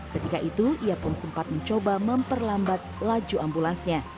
ketika itu ia pun sempat mencoba memperlambat laju ambulansnya